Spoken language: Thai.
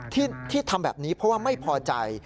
ที่ทำแบบนี้เพราะว่าไม่พอใจ